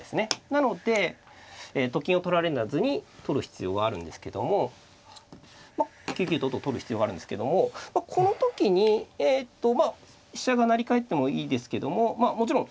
なのでと金を取られずに取る必要があるんですけども９九とと取る必要があるんですけどもこの時にえと飛車が成りかえってもいいですけどもまあもちろん５三銀成と成って。